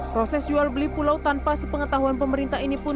proses jual beli pulau tanpa sepengetahuan pemerintah ini pun